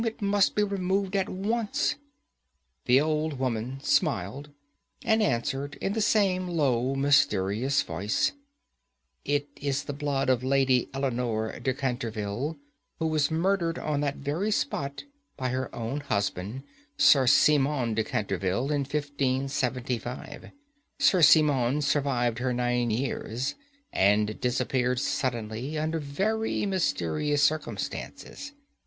It must be removed at once." The old woman smiled, and answered in the same low, mysterious voice, "It is the blood of Lady Eleanore de Canterville, who was murdered on that very spot by her own husband, Sir Simon de Canterville, in 1575. Sir Simon survived her nine years, and disappeared suddenly under very mysterious circumstances.